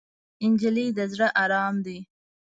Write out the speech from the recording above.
نجلۍ د زړه ارام ده.